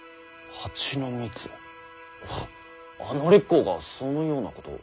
あの烈公がそのようなことを。